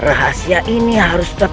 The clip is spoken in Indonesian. apa yang dilakukan